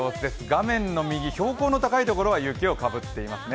画面の右、標高の高いところは雪をかぶっていますね。